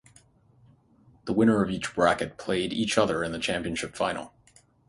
The winner of each bracket played each other in the championship final.